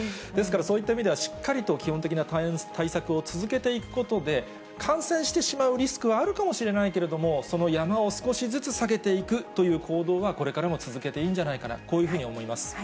ですからそういった意味では、しっかりと基本的な対策を続けていくことで、感染してしまうリスクはあるかもしれないけれども、その山を少しずつ下げていくという行動は、これからも続けていいんじゃないかな、こういうふうに思います。